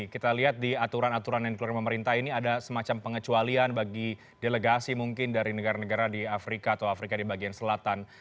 kita lihat di aturan aturan yang dikeluarkan pemerintah ini ada semacam pengecualian bagi delegasi mungkin dari negara negara di afrika atau afrika di bagian selatan